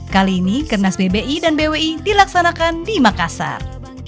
kali ini kernas bbi dan bwi dilaksanakan di makassar